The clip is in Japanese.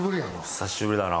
久しぶりだな。